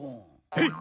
えっ！